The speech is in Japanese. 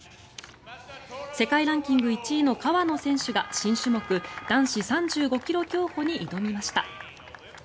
世界ランキング１位の川野選手が新種目、男子３５ｋｍ競歩に挑みました。